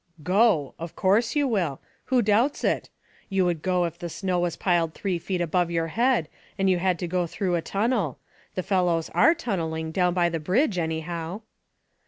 *' Go! Of course you will. Who doubts it? You would go if the snow was piled three feet above your head, and you had to go through a tunnel. The fellows are tunneling down by the bridge, anyhow."